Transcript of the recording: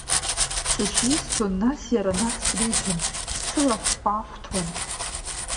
Сыҽисҭон, нас иара наҟ сриҭон, дсылахәҳахәҭуан.